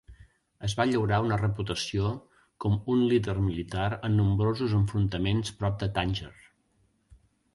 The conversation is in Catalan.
Es va llaurar una reputació com un líder militar en nombrosos enfrontaments prop de Tànger.